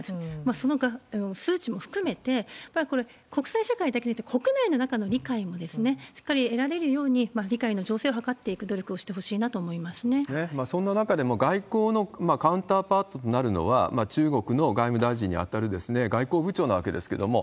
その数値も含めて、これ、国際社会だけじゃなくて、国内の中の理解もしっかり得られるように理解の調整を図っていくそんな中でも、外交のカウンターパートとなるのは、中国の外務大臣に当たる外交部長なわけですけれども。